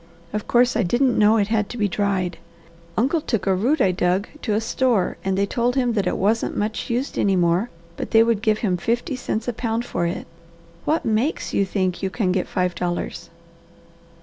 Of course I didn't know it had to be dried. Uncle took a root I dug to a store, and they told him that it wasn't much used any more, but they would give him fifty cents a pound for it. What MAKES you think you can get five dollars?"